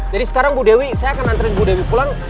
jadi sekarang bu dewi saya akan nantriin bu dewi pulang